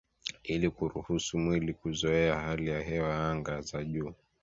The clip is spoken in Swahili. ili kuruhusu mwili kuzoea hali ya hewa ya anga za juu